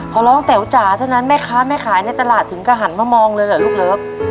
พอร้องแต๋วจ๋าเท่านั้นแม่ค้าแม่ขายในตลาดถึงก็หันมามองเลยเหรอลูกเลิฟ